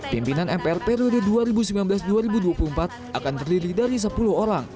pimpinan mpr periode dua ribu sembilan belas dua ribu dua puluh empat akan terdiri dari sepuluh orang